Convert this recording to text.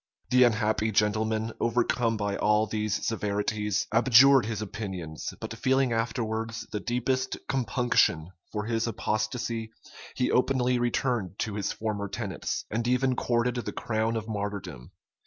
The unhappy gentleman, overcome by all these severities, abjured his opinions; but feeling afterwards the deepest compunction for his apostasy, he openly returned to his former tenets, and even courted the crown of martyrdom.